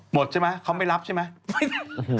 หมดใช่ไหมเขาไม่รับใช่ไหม